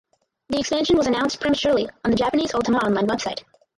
The expansion was announced prematurely on the Japanese Ultima Online website.